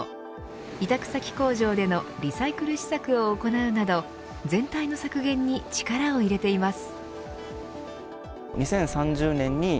委託先工場でのリサイクル施策を行うなど全体の削減に力を入れています。